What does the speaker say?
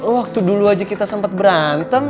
waktu dulu aja kita sempat berantem